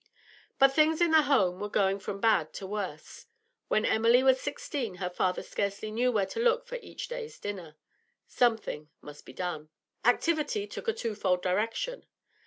But things in the home were going from bad to worse. When Emily was sixteen, her father scarcely knew where to look for each day's dinner. Something must be done. Activity took a twofold direction.